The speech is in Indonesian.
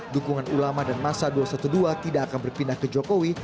dukungan ulama dan masa dua ratus dua belas tidak akan berpindah ke jokowi